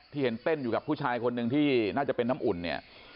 เห็นเต้นอยู่กับผู้ชายคนหนึ่งที่น่าจะเป็นน้ำอุ่นเนี่ย